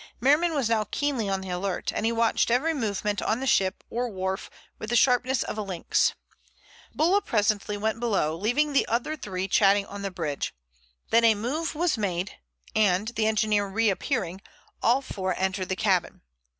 Merriman was now keenly on the alert, and he watched every movement on the ship or wharf with the sharpness of a lynx. Bulla presently went below, leaving the other three chatting on the bridge, then a move was made and, the engineer reappearing, all four entered the cabin.